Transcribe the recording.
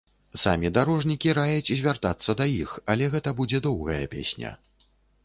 Самі дарожнікі раяць звяртацца да іх, але гэта будзе доўгая песня.